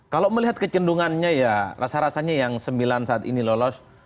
kalau melihat kecendungannya ya rasa rasanya yang sembilan saat ini lolos